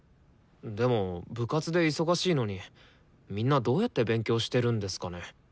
でも部活で忙しいのにみんなどうやって勉強してるんですかね？